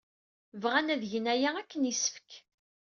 Bɣan ad gen aya akken yessefk.